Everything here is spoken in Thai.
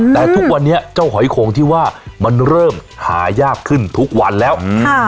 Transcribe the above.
แต่ทุกวันนี้เจ้าหอยโขงที่ว่ามันเริ่มหายากขึ้นทุกวันแล้วอืม